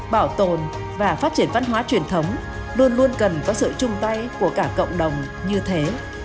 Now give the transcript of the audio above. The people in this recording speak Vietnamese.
bảo tồn và phát triển văn hóa truyền thống luôn luôn cần có sự chung tay của cả cộng đồng như thế